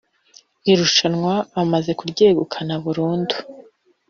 irushanwa amaze kuryegukana burundu .